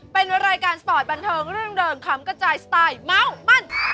เป็นรายการสปอร์ตบันเทิงเรื่องเริงคำกระจายสไตล์เมาส์มั่น